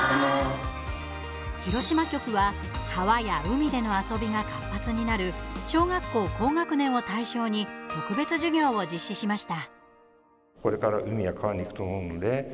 広島局は川や海での遊びが活発になる小学校高学年を対象に特別授業を実施しました。